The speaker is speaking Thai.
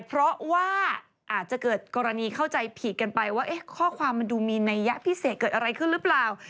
เพราะว่าอาจจะเกิดกรณีเข้าใจผิดกันไปว่าข้อความมันดูมีนัยยะพิเศษเกิดอะไรขึ้นหรือเปล่า